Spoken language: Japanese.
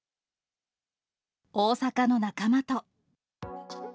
大阪の仲間と。